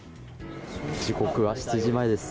時刻は７時前です。